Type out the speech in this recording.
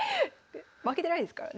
負けてないですからね。